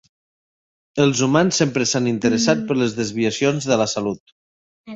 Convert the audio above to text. Els humans sempre s'han interessat per les desviacions de la salut.